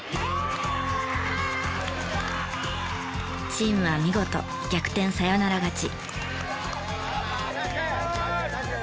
チームは見事逆転サヨナラ勝ち。